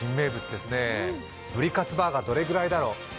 ブリカツバーガー、どれくらいだろう